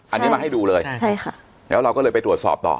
อันนี้มาให้ดูเลยแล้วเราก็เลยไปตรวจสอบต่อ